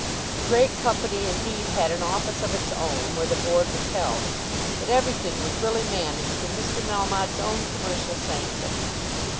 The great company indeed had an office of its own, where the Board was held; but everything was really managed in Mr. Melmotte's own commercial sanctum.